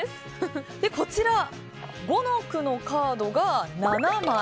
こちら、五の句のカードが７枚。